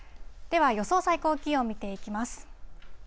では予想最高気温、見ていきます。